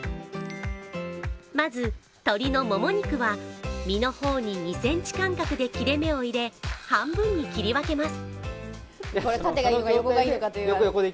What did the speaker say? まず、鶏のもも肉は身の方に２ｃｍ間隔で切れ目を入れ、半分に切り分けます。